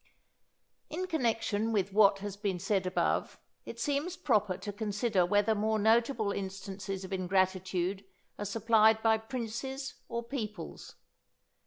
_ In connection with what has been said above, it seems proper to consider whether more notable instances of ingratitude are supplied by princes or peoples.